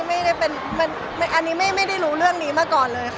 ไม่ประสาทนะคะไม่ได้รู้เรื่องนี้มาก่อนเลย